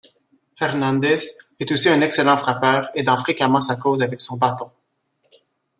Hernández est aussi un excellent frappeur, aidant fréquemment sa cause avec son bâton.